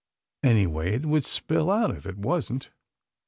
Anyway, it would spill out if it wasn't.